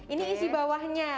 ini isi bawahnya